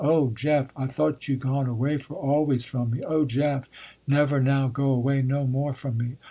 "Oh, Jeff, I thought you gone away for always from me. Oh, Jeff, never now go away no more from me.